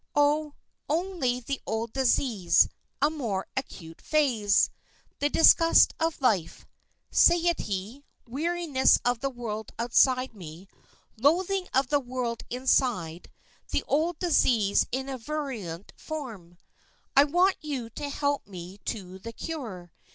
"Oh, only the old disease in a more acute phase. The disgust of life satiety, weariness of the world outside me, loathing of the world inside; the old disease in a virulent form. I want you to help me to the cure.